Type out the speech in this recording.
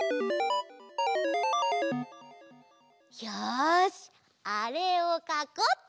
よしあれをかこうっと！